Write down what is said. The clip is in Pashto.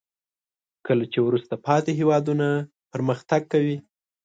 کله چې وروسته پاتې هیوادونه پرمختګ کوي.